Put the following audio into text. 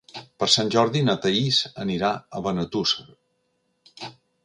Per Sant Jordi na Thaís anirà a Benetússer.